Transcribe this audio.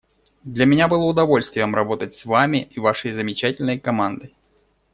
Для меня было удовольствием работать с Вами и Вашей замечательной командой.